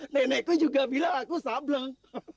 nenekku juga bilang aku sableng